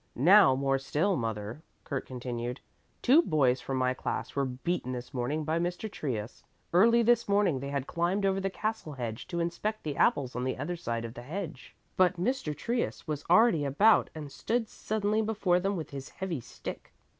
Now more still, mother," Kurt continued. "Two boys from my class were beaten this morning by Mr. Trius. Early this morning they had climbed over the castle hedge to inspect the apples on the other side of the hedge. But Mr. Trius was already about and stood suddenly before them with his heavy stick.